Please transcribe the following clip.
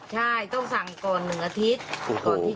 ใช่ต้องสั่งก่อน๑อาทิตย์